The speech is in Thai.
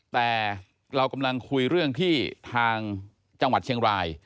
แต่เรากำลังคุยเรื่องที่ทางจังหวัดเชียงราย